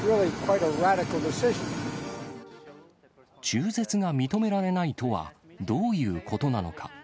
中絶が認められないとはどういうことなのか。